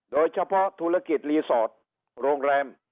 โดยเฉพาะธุรกิจรีสอร์ทโรงแรม